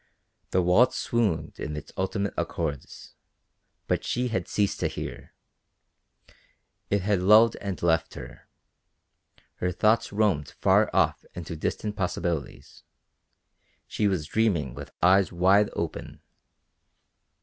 The waltz swooned in its ultimate accords, but she had ceased to hear; it had lulled and left her; her thoughts roamed far off into distant possibilities; she was dreaming with eyes wide open.